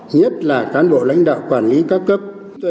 nhất là cán bộ lãnh đạo quản lý các cấp